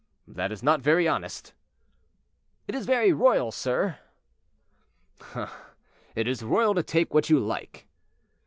"That is not very honest." "It is very royal, sire." "Ah! it is royal to take what you like."